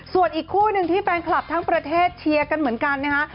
ส่วนอีกคู่หนึ่งที่แฟนคลับทั้งประเทศเชียร์กันเหมือนกันนะคะ